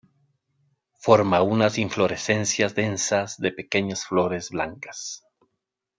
Forma unas inflorescencias densas de pequeñas flores blancas.